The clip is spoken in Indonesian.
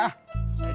mau balik nggak